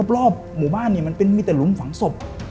รอบหมู่บ้านมันมีแต่หลุมฝังศพ